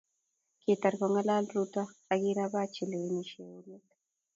Kitar kongalal Ruto akirapach chelewenishei eunek